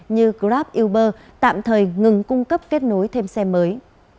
như grab uber tạm thời ngừng cung cấp kết nối thêm xe mới